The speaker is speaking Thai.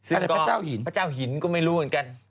อะไรพระเจ้าหินพระเจ้าหินก็ไม่รู้เหมือนกัน